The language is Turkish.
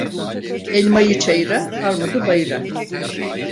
Elmayı çayıra, armudu bayıra.